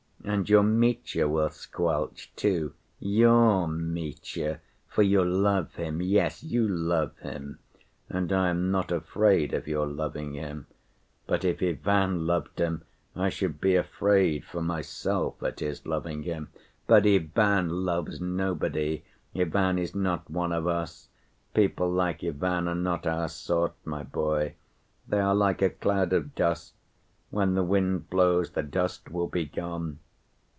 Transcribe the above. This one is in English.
And your Mitya will squelch too. Your Mitya, for you love him. Yes, you love him and I am not afraid of your loving him. But if Ivan loved him I should be afraid for myself at his loving him. But Ivan loves nobody. Ivan is not one of us. People like Ivan are not our sort, my boy. They are like a cloud of dust. When the wind blows, the dust will be gone....